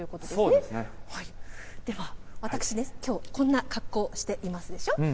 では、私、きょうこんな格好していますでしょ。